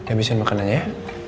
abisin makanannya ya